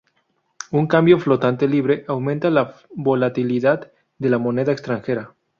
Un cambio flotante libre aumenta la volatilidad de la moneda extranjera.